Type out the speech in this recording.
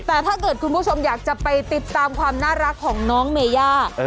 แต่ถ้าเกิดคุณผู้ชมอยากจะไปติดตามความน่ารักของน้องเมย่า